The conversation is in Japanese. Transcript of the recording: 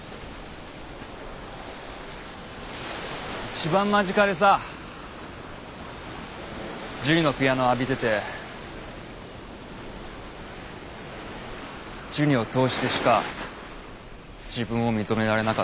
一番間近でさジュニのピアノ浴びててジュニを通してしか自分を認められなかった。